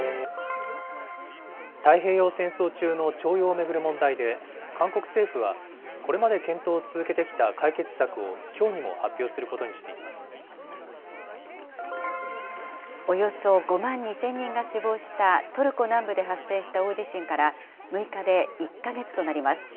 太平洋戦争中の徴用を巡る問題で、韓国政府はこれまで検討を続けてきた解決策をきょうにも発表するおよそ５万２０００人が死亡したトルコ南部で発生した大地震から６日で１か月となります。